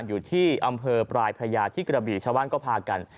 อยู่ที่อำเภอปลายพระยาที่กระบีชาวบ้านก็พากัน